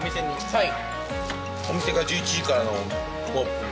はい。